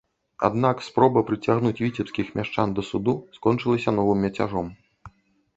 Аднак спроба прыцягнуць віцебскіх мяшчан да суду скончылася новым мяцяжом.